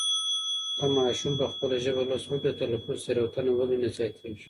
که ماسوم په خپله ژبه لوست وکړي د تلفظ تېروتنه ولې نه زياتېږي؟